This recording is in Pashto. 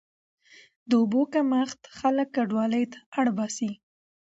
د اوبو کمښت خلک کډوالۍ ته اړ باسي.